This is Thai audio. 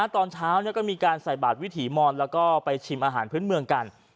ตอนเช้าก็มีการใส่บาทวิถีมอนแล้วก็ไปชิมอาหารพื้นเมืองกัน